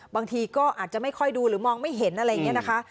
บางทีก็อาจจะไม่ค่อยดูหรือมองไม่เห็นอะไรอย่างนี้นะคะ